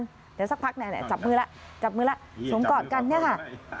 เดี๋ยวสักพักจับมือล่ะสวมกอดกันนะคะ